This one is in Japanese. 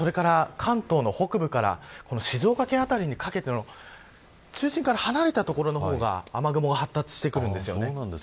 それから、関東の北部から静岡県辺りにかけての中心から離れた所の方が雨雲が発達してくるんです。